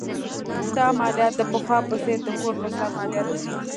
دا مالیات د پخوا په څېر د کور پر سر مالیات نه دي.